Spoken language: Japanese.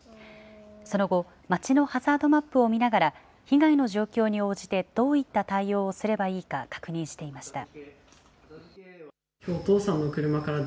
その後、町のハザードマップを見ながら、被害の状況に応じてどういった対応をすればいいか、確認していました。